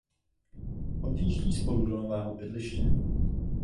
Odjíždí spolu do nového bydliště.